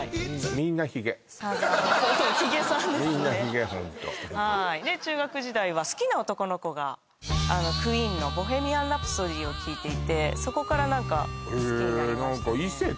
みんなヒゲホントはいで中学時代は好きな男の子があのＱＵＥＥＮの「ボヘミアン・ラプソディー」を聴いていてそこから何か好きになりましたへえ